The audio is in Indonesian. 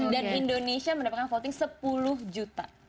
dan indonesia mendapatkan voting sepuluh juta